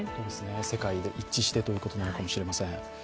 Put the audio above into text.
世界で一致してということなのかもしれません。